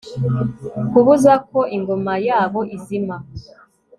kubuza ko ingoma yabo izima